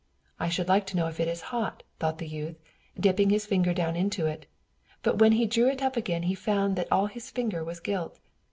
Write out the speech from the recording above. "I should like to know if it is hot," thought the youth, dipping his finger down into it; but when he drew it up again he found that all his finger was gilt.